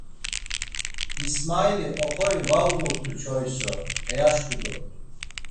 İsmaili, oxori va uğut̆u çoiso, eyaşk̆u dort̆u.